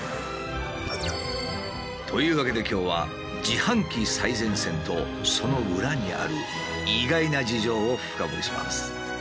というわけで今日は自販機最前線とその裏にある意外な事情を深掘りします。